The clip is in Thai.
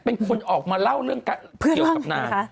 เป็นคนออกมาเล่าเรื่องเกี่ยวกับนาง